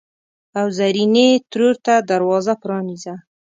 او زرینې ترور ته دروازه پرانیزه!